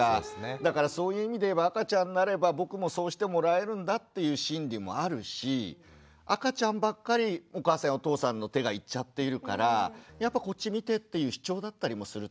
だからそういう意味でいえば赤ちゃんになれば僕もそうしてもらえるんだっていう心理もあるし赤ちゃんばっかりお母さんやお父さんの手がいっちゃっているからやっぱこっち見て！っていう主張だったりもするってことですよね。